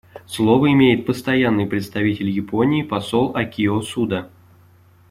Слово имеет Постоянный представитель Японии посол Акио Суда.